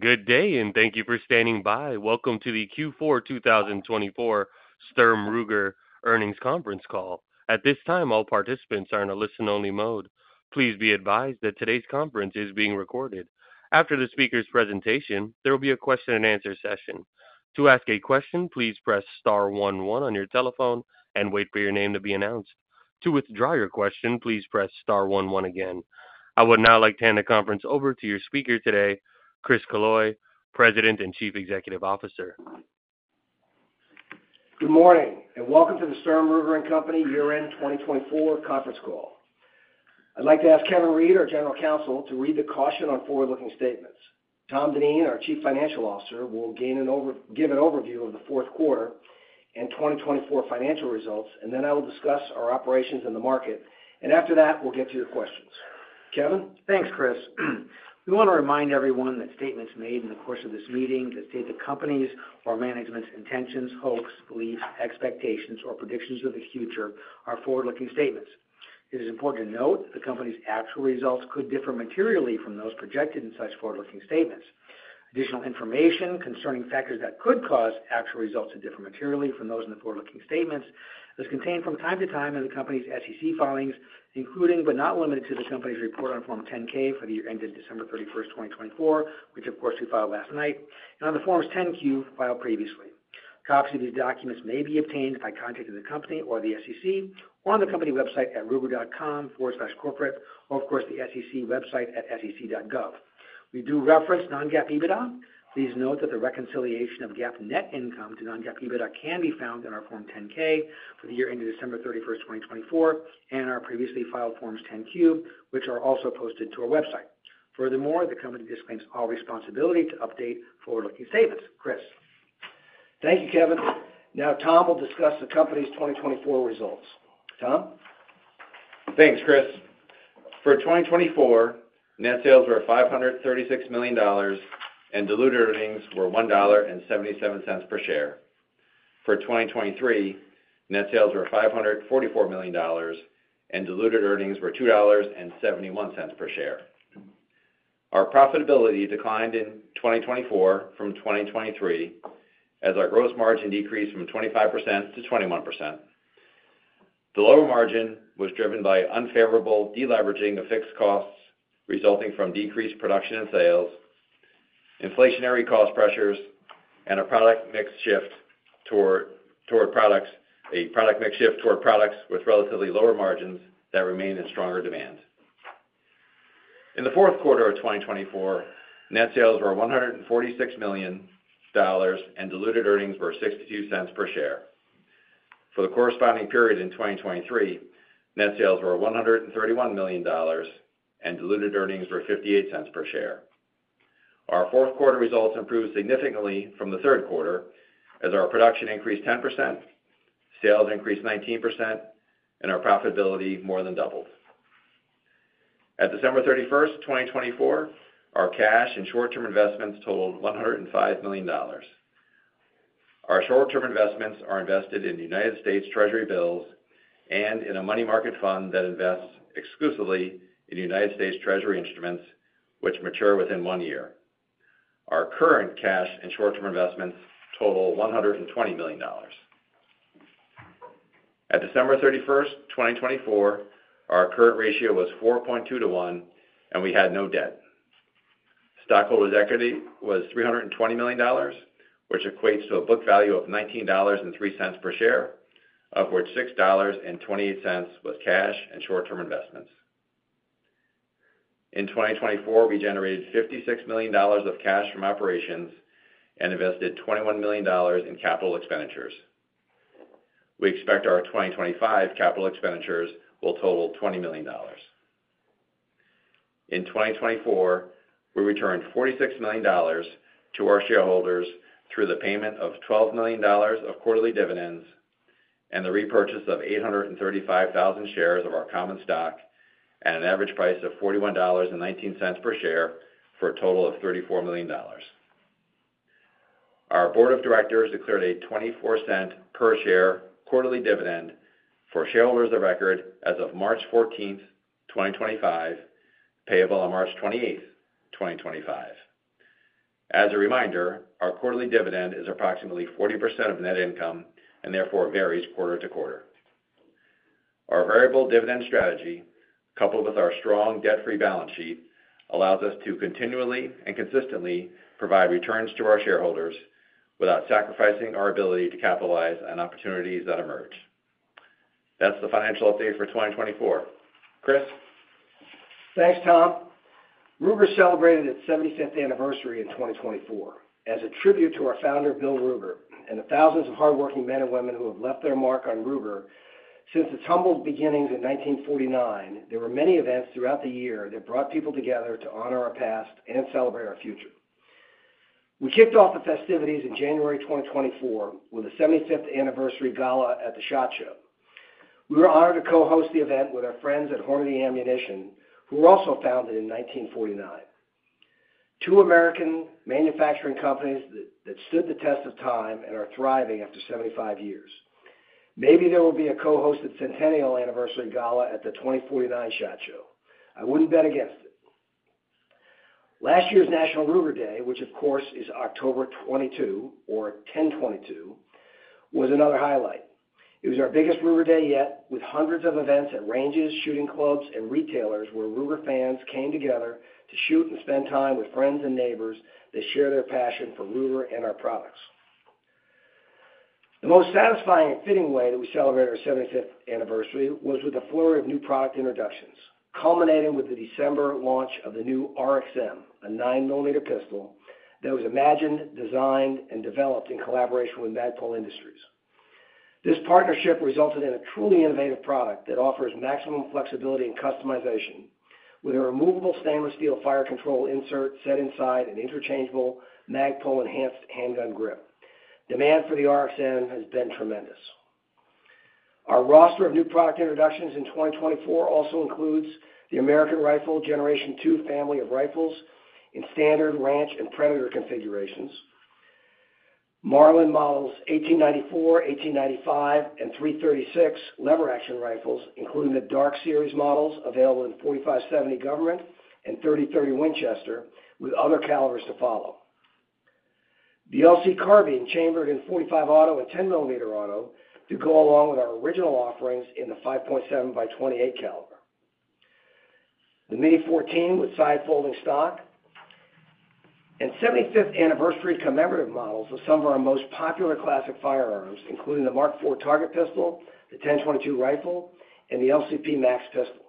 Good day, and thank you for standing by. Welcome to the Q4 2024 Sturm, Ruger & Company earnings conference call. At this time, all participants are in a listen-only mode. Please be advised that today's conference is being recorded. After the speaker's presentation, there will be a question-and-answer session. To ask a question, please press star one-one on your telephone and wait for your name to be announced. To withdraw your question, please press star one-one again. I would now like to hand the conference over to your speaker today, Chris Killoy, President and Chief Executive Officer. Good morning, and welcome to the Sturm, Ruger & Company year-end 2024 conference call. I'd like to ask Kevin Reid, our General Counsel, to read the caution on forward-looking statements. Tom Dineen, our Chief Financial Officer, will give an overview of the fourth quarter and 2024 financial results, and then I will discuss our operations in the market. And after that, we'll get to your questions. Kevin? Thanks, Chris. We want to remind everyone that statements made in the course of this meeting that state the company's or management's intentions, hopes, beliefs, expectations, or predictions of the future are forward-looking statements. It is important to note that the company's actual results could differ materially from those projected in such forward-looking statements. Additional information concerning factors that could cause actual results to differ materially from those in the forward-looking statements is contained from time to time in the company's SEC filings, including but not limited to the company's report on Form 10-K for the year ended December 31st, 2024, which, of course, we filed last night, and on the Forms 10-Q filed previously. Copies of these documents may be obtained by contacting the company or the SEC or on the company website at ruger.com/corporate or, of course, the SEC website at sec.gov. We do reference non-GAAP EBITDA. Please note that the reconciliation of GAAP net income to non-GAAP EBITDA can be found in our Form 10-K for the year ended December 31st, 2024, and our previously filed Forms 10-Q, which are also posted to our website. Furthermore, the company disclaims all responsibility to update forward-looking statements. Chris? Thank you, Kevin. Now, Tom will discuss the company's 2024 results. Tom? Thanks, Chris. For 2024, net sales were $536 million, and diluted earnings were $1.77 per share. For 2023, net sales were $544 million, and diluted earnings were $2.71 per share. Our profitability declined in 2024 from 2023 as our gross margin decreased from 25% to 21%. The lower margin was driven by unfavorable deleveraging of fixed costs resulting from decreased production and sales, inflationary cost pressures, and a product mix shift toward products with relatively lower margins that remain in stronger demand. In the fourth quarter of 2024, net sales were $146 million, and diluted earnings were $0.62 per share. For the corresponding period in 2023, net sales were $131 million, and diluted earnings were $0.58 per share. Our fourth quarter results improved significantly from the third quarter as our production increased 10%, sales increased 19%, and our profitability more than doubled. At December 31st, 2024, our cash and short-term investments totaled $105 million. Our short-term investments are invested in United States Treasury bills and in a money market fund that invests exclusively in United States Treasury instruments, which mature within one year. Our current cash and short-term investments total $120 million. At December 31st, 2024, our current ratio was 4.2 to one, and we had no debt. Stockholders' equity was $320 million, which equates to a book value of $19.03 per share, of which $6.28 was cash and short-term investments. In 2024, we generated $56 million of cash from operations and invested $21 million in capital expenditures. We expect our 2025 capital expenditures will total $20 million. In 2024, we returned $46 million to our shareholders through the payment of $12 million of quarterly dividends and the repurchase of 835,000 shares of our common stock at an average price of $41.19 per share for a total of $34 million. Our board of directors declared a 24 cent per share quarterly dividend for shareholders of record as of March 14th, 2025, payable on March 28th, 2025. As a reminder, our quarterly dividend is approximately 40% of net income and therefore varies quarter to quarter. Our variable dividend strategy, coupled with our strong debt-free balance sheet, allows us to continually and consistently provide returns to our shareholders without sacrificing our ability to capitalize on opportunities that emerge. That's the financial update for 2024. Chris? Thanks, Tom. Ruger celebrated its 75th anniversary in 2024. As a tribute to our founder, Bill Ruger, and the thousands of hardworking men and women who have left their mark on Ruger, since its humble beginnings in 1949, there were many events throughout the year that brought people together to honor our past and celebrate our future. We kicked off the festivities in January 2024 with a 75th anniversary gala at the SHOT Show. We were honored to co-host the event with our friends at Hornady Ammunition, who were also founded in 1949. Two American manufacturing companies that stood the test of time and are thriving after 75 years. Maybe there will be a co-hosted centennial anniversary gala at the 2049 SHOT Show. I wouldn't bet against it. Last year's National Ruger Day, which, of course, is October 22 or 10/22, was another highlight. It was our biggest Ruger Day yet, with hundreds of events at ranges, shooting clubs, and retailers where Ruger fans came together to shoot and spend time with friends and neighbors that share their passion for Ruger and our products. The most satisfying and fitting way that we celebrated our 75th anniversary was with a flurry of new product introductions, culminating with the December launch of the new RXM, a 9-millimeter pistol that was imagined, designed, and developed in collaboration with Magpul Industries. This partnership resulted in a truly innovative product that offers maximum flexibility and customization with a removable stainless steel fire control insert set inside an interchangeable Magpul-enhanced handgun grip. Demand for the RXM has been tremendous. Our roster of new product introductions in 2024 also includes the American Rifle Generation 2 family of rifles in standard, ranch, and predator configurations, Marlin models 1894, 1895, and 336 lever action rifles, including the Dark Series models available in .45-70 Government and .30-30 Winchester, with other calibers to follow. The LC Carbine chambered in .45 Auto and 10mm Auto to go along with our original offerings in the 5.7x28mm caliber. The Mini-14 with side-folding stock and 75th anniversary commemorative models of some of our most popular classic firearms, including the Mark IV target pistol, the 10/22 rifle, and the LCP MAX pistol.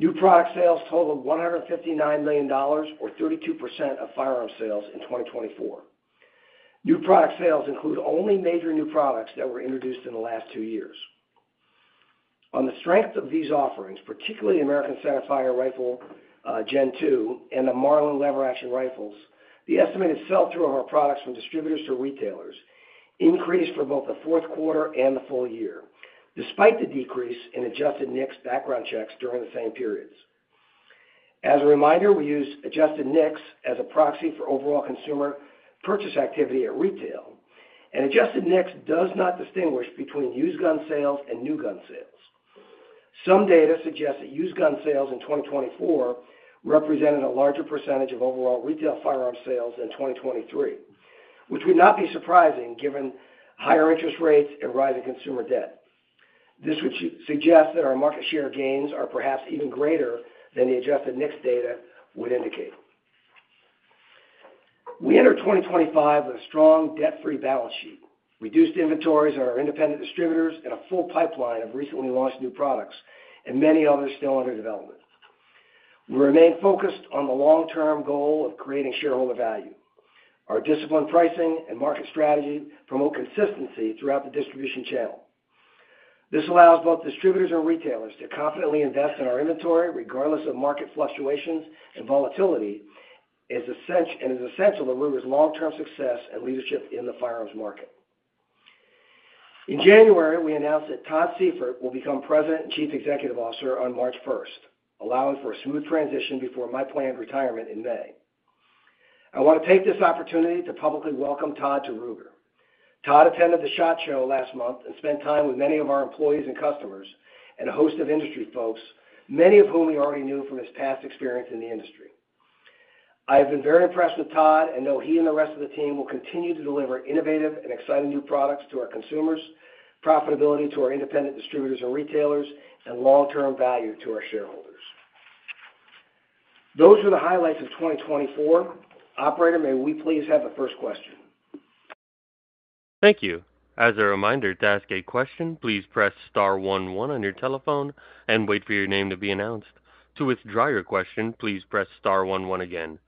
New product sales totaled $159 million or 32% of firearm sales in 2024. New product sales include only major new products that were introduced in the last two years. On the strength of these offerings, particularly the American centerfire rifle Gen II and the Marlin lever-action rifles, the estimated sell-through of our products from distributors to retailers increased for both the fourth quarter and the full year, despite the decrease in Adjusted NICS background checks during the same periods. As a reminder, we use Adjusted NICS as a proxy for overall consumer purchase activity at retail, and Adjusted NICS does not distinguish between used gun sales and new gun sales. Some data suggest that used gun sales in 2024 represented a larger percentage of overall retail firearm sales than 2023, which would not be surprising given higher interest rates and rising consumer debt. This would suggest that our market share gains are perhaps even greater than the Adjusted NICS data would indicate. We enter 2025 with a strong debt-free balance sheet, reduced inventories at our independent distributors, and a full pipeline of recently launched new products and many others still under development. We remain focused on the long-term goal of creating shareholder value. Our disciplined pricing and market strategy promote consistency throughout the distribution channel. This allows both distributors and retailers to confidently invest in our inventory regardless of market fluctuations and volatility, and it is essential to Ruger's long-term success and leadership in the firearms market. In January, we announced that Todd Seyfert will become President and Chief Executive Officer on March 1st, allowing for a smooth transition before my planned retirement in May. I want to take this opportunity to publicly welcome Todd to Ruger. Todd attended the SHOT Show last month and spent time with many of our employees and customers and a host of industry folks, many of whom we already knew from his past experience in the industry. I have been very impressed with Todd and know he and the rest of the team will continue to deliver innovative and exciting new products to our consumers, profitability to our independent distributors and retailers, and long-term value to our shareholders. Those were the highlights of 2024. Operator, may we please have the first question? Thank you. As a reminder to ask a question, please press star one-one on your telephone and wait for your name to be announced. To withdraw your question, please press star one-one again.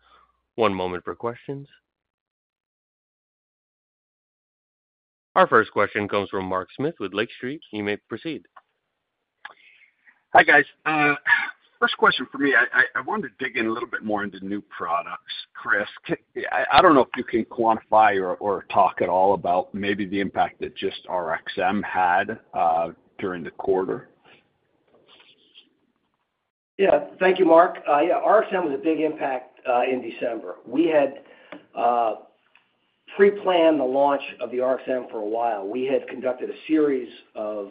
One moment for questions. Our first question comes from Mark Smith with Lake Street. You may proceed. Hi, guys. First question for me, I wanted to dig in a little bit more into new products, Chris. I don't know if you can quantify or talk at all about maybe the impact that just RXM had during the quarter? Yeah, thank you, Mark. RXM was a big impact in December. We had pre-planned the launch of the RXM for a while. We had conducted a series of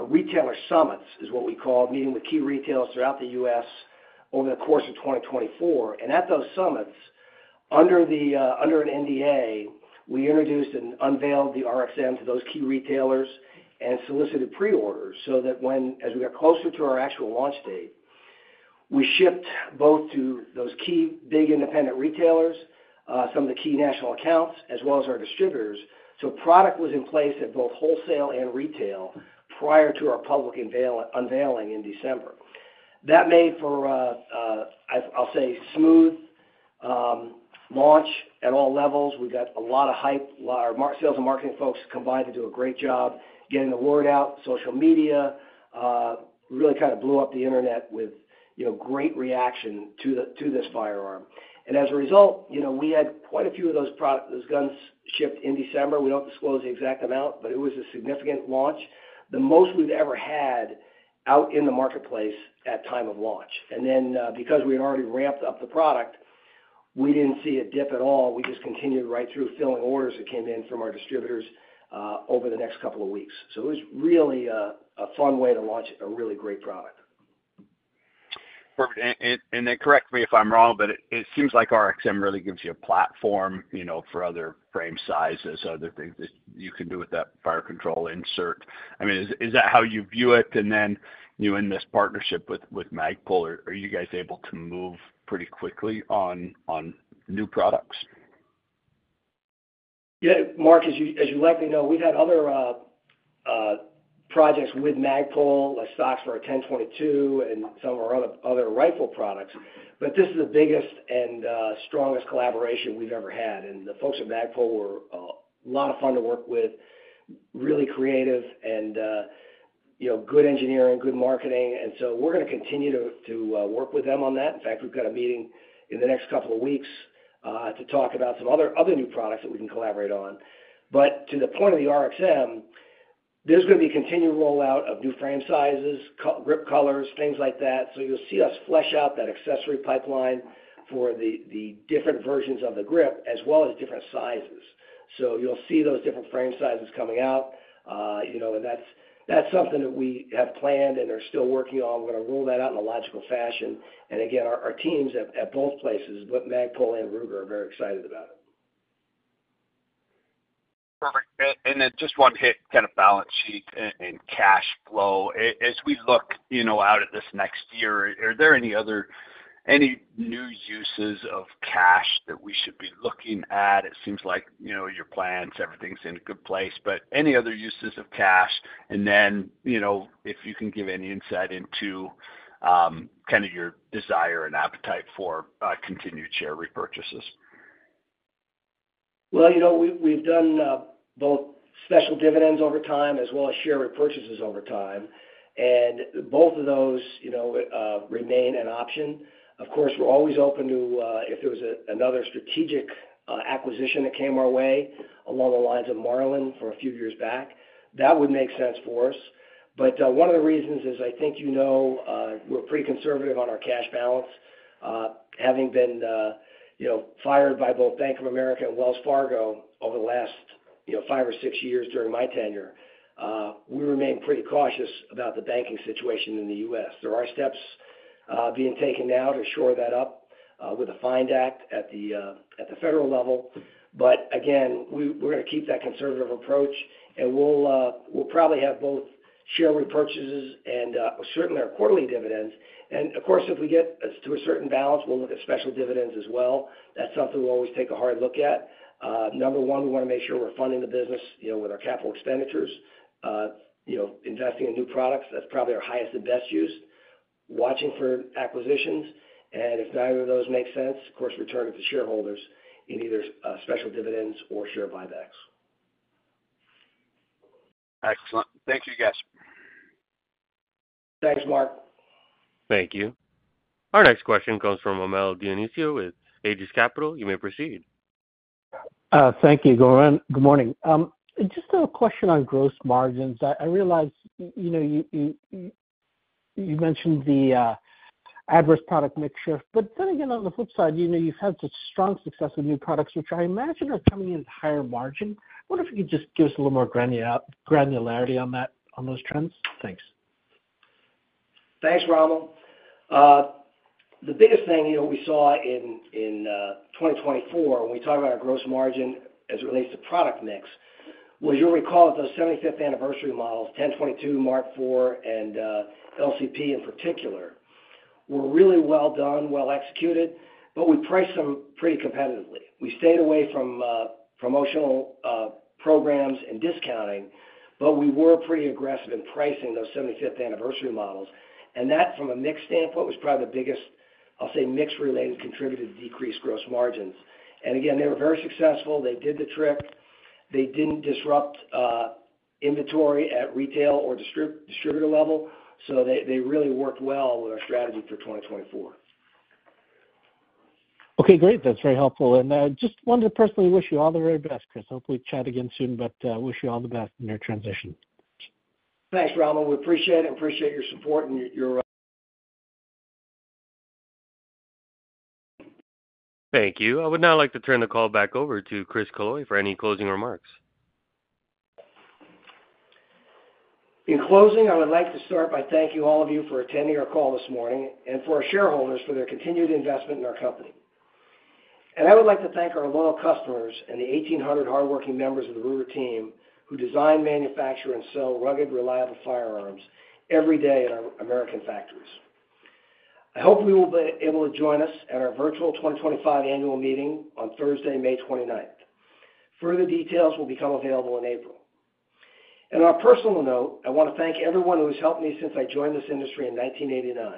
retailer summits, is what we call, meeting with key retailers throughout the U.S. over the course of 2024, and at those summits, under an NDA, we introduced and unveiled the RXM to those key retailers and solicited pre-orders so that when, as we got closer to our actual launch date, we shipped both to those key big independent retailers, some of the key national accounts, as well as our distributors, so product was in place at both wholesale and retail prior to our public unveiling in December. That made for, I'll say, a smooth launch at all levels. We got a lot of hype. Our sales and marketing folks combined to do a great job getting the word out. Social media really kind of blew up the internet with great reaction to this firearm. And as a result, we had quite a few of those guns shipped in December. We don't disclose the exact amount, but it was a significant launch, the most we've ever had out in the marketplace at time of launch. And then because we had already ramped up the product, we didn't see a dip at all. We just continued right through filling orders that came in from our distributors over the next couple of weeks. So it was really a fun way to launch a really great product. Perfect. And then correct me if I'm wrong, but it seems like RXM really gives you a platform for other frame sizes, other things that you can do with that fire control insert. I mean, is that how you view it? And then in this partnership with Magpul, are you guys able to move pretty quickly on new products? Yeah, Mark, as you likely know, we've had other projects with Magpul, like stocks for a 10/22 and some of our other rifle products. But this is the biggest and strongest collaboration we've ever had. And the folks at Magpul were a lot of fun to work with, really creative and good engineering, good marketing. And so we're going to continue to work with them on that. In fact, we've got a meeting in the next couple of weeks to talk about some other new products that we can collaborate on. But to the point of the RXM, there's going to be a continued rollout of new frame sizes, grip colors, things like that. So you'll see us flesh out that accessory pipeline for the different versions of the grip as well as different sizes. So you'll see those different frame sizes coming out. That's something that we have planned and are still working on. We're going to roll that out in a logical fashion. Again, our teams at both places, but Magpul and Ruger, are very excited about it. Perfect. And then just one last kind of balance sheet and cash flow. As we look out at this next year, are there any new uses of cash that we should be looking at? It seems like your plans, everything's in a good place. But any other uses of cash? And then if you can give any insight into kind of your desire and appetite for continued share repurchases. We've done both special dividends over time as well as share repurchases over time. And both of those remain an option. Of course, we're always open to if there was another strategic acquisition that came our way along the lines of Marlin for a few years back, that would make sense for us. But one of the reasons is I think you know we're pretty conservative on our cash balance. Having been fired by both Bank of America and Wells Fargo over the last five or six years during my tenure, we remain pretty cautious about the banking situation in the U.S. There are steps being taken now to shore that up with a FIND Act at the federal level. But again, we're going to keep that conservative approach. And we'll probably have both share repurchases and certainly our quarterly dividends. And of course, if we get to a certain balance, we'll look at special dividends as well. That's something we'll always take a hard look at. Number one, we want to make sure we're funding the business with our capital expenditures, investing in new products. That's probably our highest and best use. Watching for acquisitions. And if neither of those makes sense, of course, returning to shareholders in either special dividends or share buybacks. Excellent. Thank you, guys. Thanks, Mark. Thank you. Our next question comes from Rommel Dionisio with Aegis Capital. You may proceed. Thank you. Good morning. Just a question on gross margins. I realize you mentioned the adverse product mixture, but then again, on the flip side, you've had such strong success with new products, which I imagine are coming in at higher margin. I wonder if you could just give us a little more granularity on those trends. Thanks. Thanks, Rommel. The biggest thing we saw in 2024, when we talk about our gross margin as it relates to product mix, was, you'll recall, that those 75th anniversary models, 10/22, Mark IV, and LCP in particular, were really well done, well executed, but we priced them pretty competitively. We stayed away from promotional programs and discounting, but we were pretty aggressive in pricing those 75th anniversary models, and that, from a mix standpoint, was probably the biggest. I'll say mix-related contributor to decreased gross margins, and again, they were very successful. They did the trick. They didn't disrupt inventory at retail or distributor level, so they really worked well with our strategy for 2024. Okay, great. That's very helpful, and just wanted to personally wish you all the very best, Chris. Hopefully, chat again soon, but wish you all the very best in your transition. Thanks, Rommel. We appreciate it. Appreciate your support and your. Thank you. I would now like to turn the call back over to Chris Killoy for any closing remarks. In closing, I would like to start by thanking all of you for attending our call this morning and for our shareholders for their continued investment in our company, and I would like to thank our loyal customers and the 1,800 hardworking members of the Ruger team who design, manufacture, and sell rugged, reliable firearms every day at our American factories. I hope you will be able to join us at our virtual 2025 annual meeting on Thursday, May 29th. Further details will become available in April, and on a personal note, I want to thank everyone who has helped me since I joined this industry in 1989.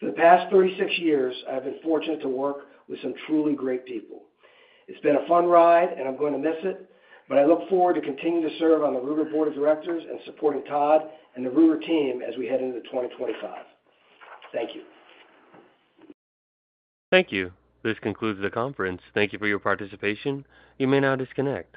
For the past 36 years, I've been fortunate to work with some truly great people. It's been a fun ride, and I'm going to miss it, but I look forward to continuing to serve on the Ruger Board of Directors and supporting Todd and the Ruger team as we head into 2025. Thank you. Thank you. This concludes the conference. Thank you for your participation. You may now disconnect.